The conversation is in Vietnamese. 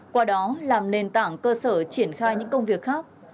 qua đó làm nền tảng cơ sở triển khai những công việc khác